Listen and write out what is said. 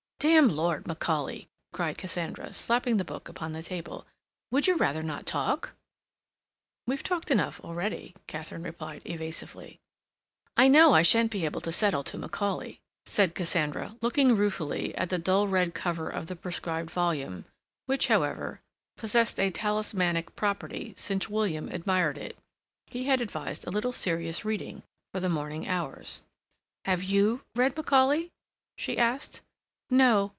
"Damn Lord Macaulay!" cried Cassandra, slapping the book upon the table. "Would you rather not talk?" "We've talked enough already," Katharine replied evasively. "I know I shan't be able to settle to Macaulay," said Cassandra, looking ruefully at the dull red cover of the prescribed volume, which, however, possessed a talismanic property, since William admired it. He had advised a little serious reading for the morning hours. "Have you read Macaulay?" she asked. "No.